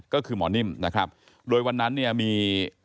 ก็คือหมอนิ่มนะครับโดยวันนั้นเนี่ยมี